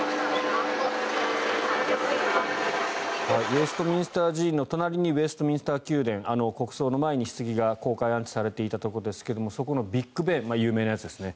ウェストミンスター寺院の隣にウェストミンスター宮殿国葬の前にひつぎが公開安置されていたところですがそこのビッグ・ベン有名なやつですね